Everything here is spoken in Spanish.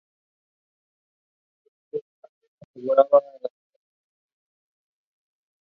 La mascota de la marca es un ratón con un esmoquin y polainas.